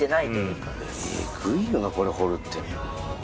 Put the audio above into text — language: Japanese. えぐいよなこれ掘るって。